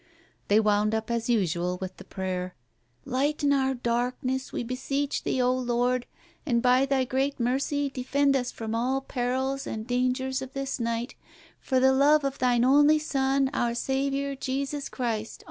They wound up as usual with the prayer —"' Lighten our darkness, we beseech Thee, O Lord, and by Thy great mercy defend us from all perils and Q Digitized by Google 226 TALES OF THE UNEASY dangers of this night; for the love of Thine only Son, our Saviour Jesus Christ.